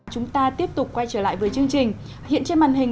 chúng ta tiếp tục quay trở lại với chương trình